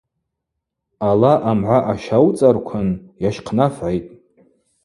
Ала амгӏа ащауцӏарквын йащхънафгӏитӏ.